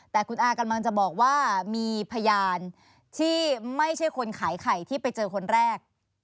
แต่คุณอากำลังจะบอกว่ามีพยานที่ไม่ใช่คนขายไข่ที่ไปเจอคนแรก